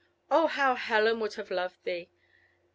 Oh, how Helen would have loved thee!"